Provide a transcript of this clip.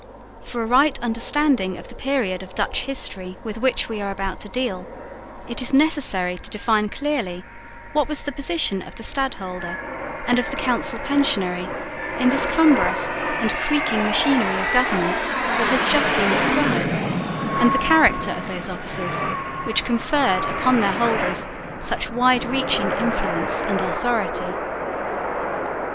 For a right understanding of the period of Dutch history with which we are about to deal, it is necessary to define clearly what was the position of the stadholder and of the council pensionary in this cumbrous and creaking machinery of government that has just been described, and the character of those offices, which conferred upon their holders such wide reaching influence and authority.